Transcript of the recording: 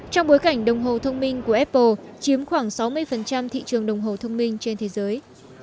trong bối cảnh đồng hồ thông minh của apple chiếm khoảng sáu mươi thị trường đồng hồ thông minh trên thế giới